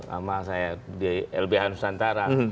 lama saya di lbhanusantara